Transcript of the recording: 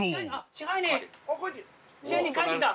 支配人帰ってきた。